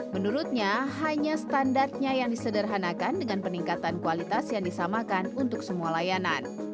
menurutnya hanya standarnya yang disederhanakan dengan peningkatan kualitas yang disamakan untuk semua layanan